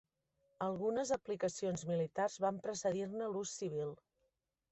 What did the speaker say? Algunes aplicacions militars van precedir-ne l'ús civil.